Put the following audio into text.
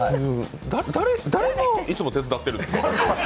誰の、いつも手伝ってるんですか？